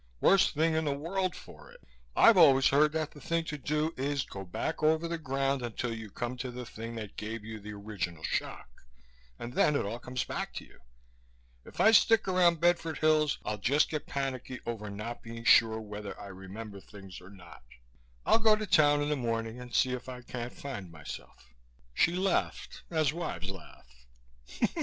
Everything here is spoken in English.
"Worst thing in the world for it. I've always heard that the thing to do is to go back over the ground until you come to the thing that gave you the original shock and then it all comes back to you. If I stick around Bedford Hills I'll just get panicky over not being sure whether I remember things or not. I'll go to town in the morning and see if I can't find myself." She laughed, as wives laugh.